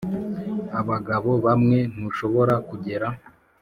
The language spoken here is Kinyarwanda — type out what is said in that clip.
abagabo bamwe ntushobora kugera.